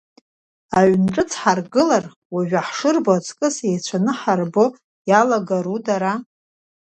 Аҩн ҿыц ҳаргылар, уажәы ҳшырбо аҵкыс еицәаны ҳарбо иалагару дара?